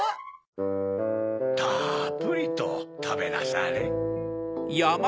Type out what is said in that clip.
たっぷりとたべなされ。